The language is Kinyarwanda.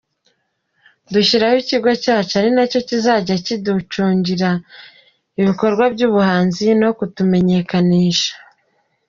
Dushyiraho ikigo cyacu ari nacyo kizajya kiducungira ibikorwa by’ubuhanzi no kutumenyekanisha.